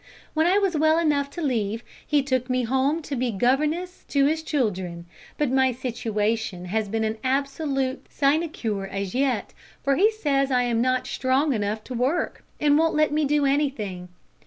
When I was well enough to leave, he took me home to be governess to his children. But my situation has been an absolute sinecure as yet, for he says I am not strong enough to work, and won't let me do anything.